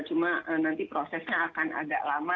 cuma nanti prosesnya akan agak lama